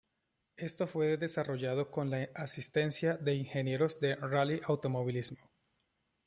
Esto fue desarrollado con la asistencia de ingenieros de rally automovilismo.